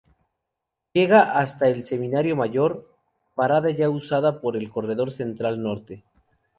Llega hasta el Seminario Mayor, parada ya usada por el Corredor Central norte